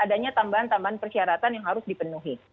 adanya tambahan tambahan persyaratan yang harus dipenuhi